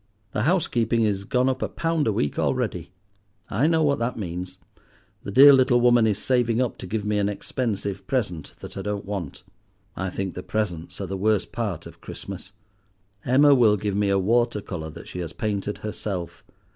The housekeeping is gone up a pound a week already. I know what that means. The dear little woman is saving up to give me an expensive present that I don't want. I think the presents are the worst part of Christmas. Emma will give me a water colour that she has painted herself.